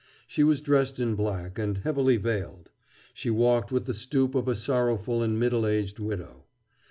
She was dressed in black, and heavily veiled. She walked with the stoop of a sorrowful and middle aged widow.